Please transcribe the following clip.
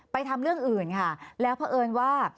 ทำเรื่องอื่นค่ะแล้วเพราะเอิญว่า